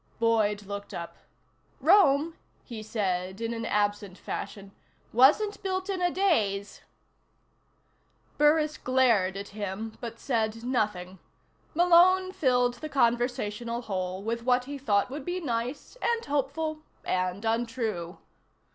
Boyd looked up. "Rome," he said in an absent fashion, "wasn't built in a daze." Burris glared at him, but said nothing. Malone filled the conversational hole with what he thought would be nice, and hopeful, and untrue.